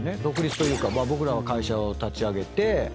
独立というか僕らは会社を立ち上げて。